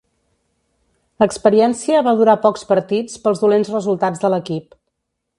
L'experiència va durar pocs partits pels dolents resultats de l'equip.